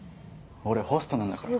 俺ホストなんだから。